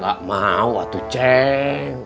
gak mau atuh ceng